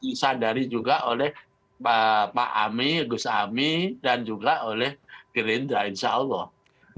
disadari juga oleh bapa mhi gusah ami dan juga oleh gerinjo insyaallah baik artinya tidak ada yang pasti begitu ya many last minute